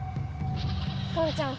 ポンちゃん